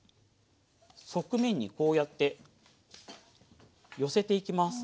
側面にこうやって寄せていきます。